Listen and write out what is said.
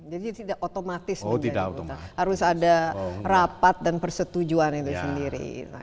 jadi tidak otomatis harus ada rapat dan persetujuan itu sendiri